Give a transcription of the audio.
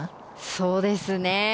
そうですね。